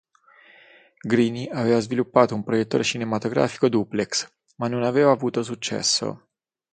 Greene aveva sviluppato un proiettore cinematografico duplex, ma non aveva avuto successo.